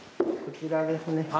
こちらですね。